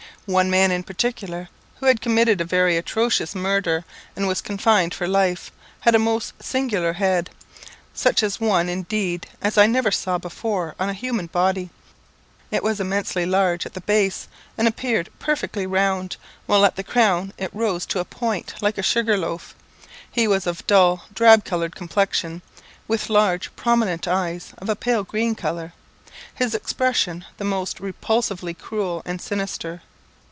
One man in particular, who had committed a very atrocious murder, and was confined for life, had a most singular head, such as one, indeed, as I never before saw on a human body. It was immensely large at the base, and appeared perfectly round, while at the crown it rose to a point like a sugar loaf. He was of a dull, drab coloured complexion, with large prominent eyes of a pale green colour; his expression, the most repulsively cruel and sinister.